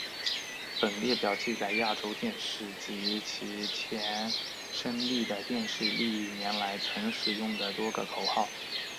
本列表记载亚洲电视及其前身丽的电视历年来曾使用的多个口号。